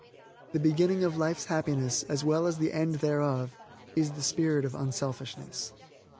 The beginning of life's happiness, as well as the end thereof, is the spirit of unselfishness.